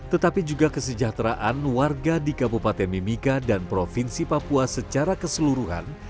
tetapi juga kesejahteraan warga di kabupaten mimika dan provinsi papua secara keseluruhan